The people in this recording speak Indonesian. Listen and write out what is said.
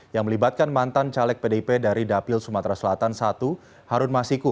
yang melibatkan mantan caleg pdip dari dapil sumatera selatan i harun masiku